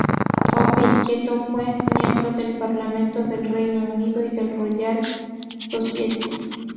Hombre inquieto, fue miembro del Parlamento del Reino Unido y de la Royal Society.